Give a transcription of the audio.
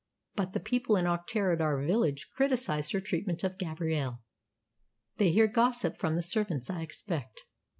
But the people in Auchterarder village criticise her treatment of Gabrielle. They hear gossip from the servants, I expect."